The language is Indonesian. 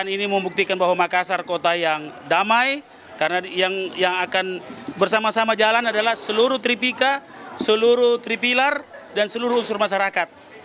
ini membuktikan bahwa makassar kota yang damai karena yang akan bersama sama jalan adalah seluruh tripika seluruh tripiler dan seluruh unsur masyarakat